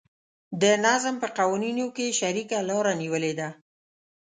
د نظم په قوانینو کې یې شریکه لاره نیولې ده.